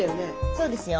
そうですよ。